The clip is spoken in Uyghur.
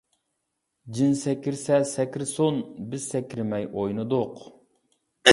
جىن سەكرىسە سەكرىسۇن، بىز سەكرىمەي ئوينىدۇق.